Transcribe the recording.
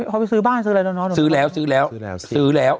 พอไปซื้อบ้านซื้ออะไรดูนะตอนนี้ซื้อแล้วซื้อแล้วซื้อแล้ว